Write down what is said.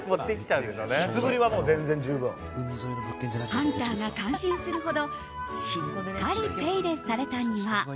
ハンターが感心するほどしっかり手入れされた庭。